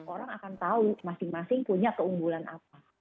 orang akan tahu masing masing punya keunggulan apa